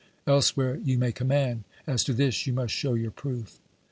Elsewhere you may command; as to this you must show your proof.